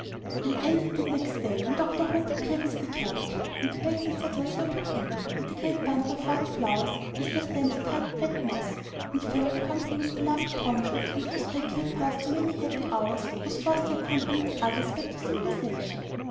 And end it did next day, when Dr. Hope appeared with the carriage, and the bags and saddles were put in, and the great bundle of wild flowers, with their stems tied in wet moss; and Phil, torn from his beloved broncho, on whose back he had passed so many happy hours, was forced to accompany the others back to civilization.